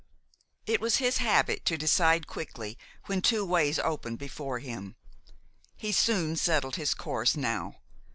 It was his habit to decide quickly when two ways opened before him. He soon settled his course now.